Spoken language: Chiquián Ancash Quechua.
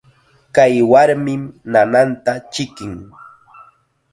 Kay warmim nananta chikin.